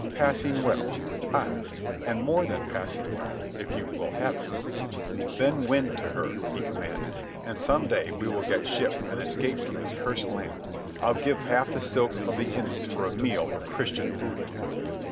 "Passing well, ay, and more than passing well, if you will have it." "Then win to her," he commanded, "and some day we will get ship and escape from this cursed land. I'd give half the silks of the Indies for a meal of Christian food again."